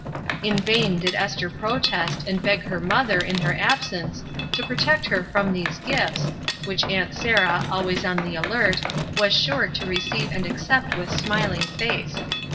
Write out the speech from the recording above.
In vain did Esther protest, and beg her mother, in her absence, to protect her from these gifts, which Aunt Sarah, always on the alert, was sure to receive and ac cept with smiling face.